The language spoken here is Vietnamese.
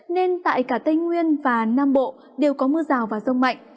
nên tại cả tây nguyên và nam bộ đều có mưa rào và rông mạnh